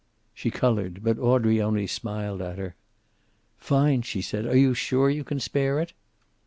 She colored, but Audrey only smiled at her. "Fine!" she said. "Are you sure you can spare it?"